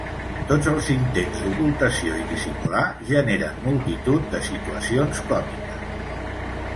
Tots els intents d'ocultació i dissimular generen multitud de situacions còmiques.